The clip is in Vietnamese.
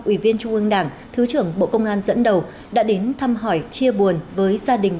ủy viên trung ương đảng thứ trưởng bộ công an dẫn đầu đã đến thăm hỏi chia buồn với gia đình